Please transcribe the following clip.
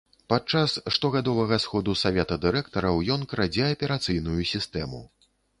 Падчас штогадовага сходу савета дырэктараў ён крадзе аперацыйную сістэму.